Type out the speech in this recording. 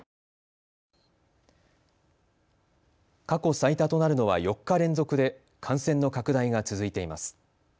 過去最多となるのは４日連続で感染の拡大が続いています。